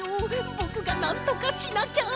ぼくがなんとかしなきゃ！